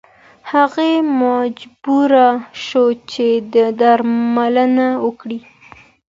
هغې مجبوره شوه چې درملنه وکړي.